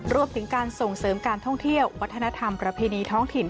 รวมถึงการส่งเสริมการท่องเที่ยววัฒนธรรมประเพณีท้องถิ่น